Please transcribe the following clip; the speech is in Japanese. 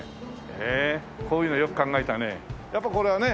へえこういうのよく考えたね。